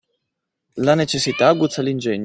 La necessità aguzza l'ingegno.